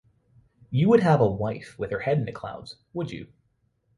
You would have a wife with her head in the clouds, would you?